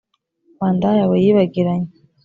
wa ndaya we yibagiranye!